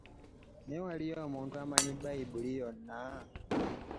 Naye waliyo omuntu manyi Bayibuli yonna .